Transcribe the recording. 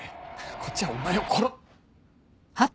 こっちはお前をころ！